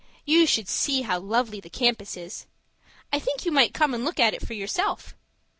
You should see how lovely the campus is. I think you might come and look at it for yourself.